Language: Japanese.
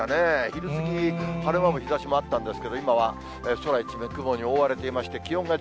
昼過ぎ、晴れ間も日ざしもあったんですけど、今は空一面、雲に覆われていまして、気温が１７．７度。